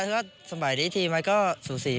ว่าสมัยนี้ทีมมันก็สูสี